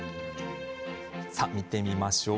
さあ、見てみましょう。